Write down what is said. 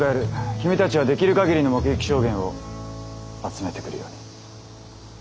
君たちはできる限りの目撃証言を集めてくるように。